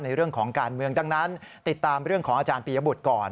ในเรื่องของการเมืองดังนั้นติดตามเรื่องของอาจารย์ปียบุตรก่อน